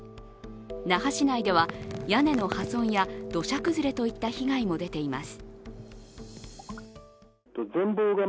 那覇市内では屋根の破損や土砂崩れといった被害も出ています。